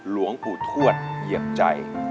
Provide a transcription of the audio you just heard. ร้องปูถวดเหยียบใจ